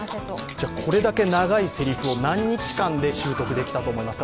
これだけ長いせりふを何日間で習得できたと思いますか？